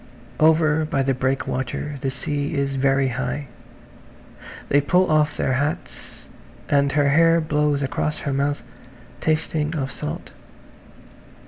Over by the breakwater the sea is very high. They pull off their hats and her hair blows across her mouth, tasting of salt.